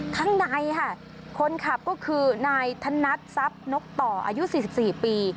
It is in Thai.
ข้างในค่ะคนขับก็คือนายธนัดทรัพย์นกต่ออายุ๔๔ปี